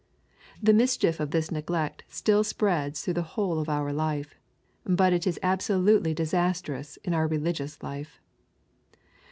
The mischief of this neglect still spreads through the whole of our life, but it is absolutely disastrous in our religious life.